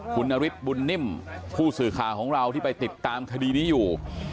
คุณนฤทธิบุญนิ่มผู้สื่อข่าวของเราที่ไปติดตามคดีนี้อยู่